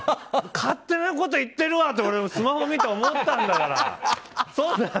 勝手なこと言ってるわって俺、スマホ見て思ったんだから。